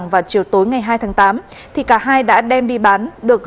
với cả mình luôn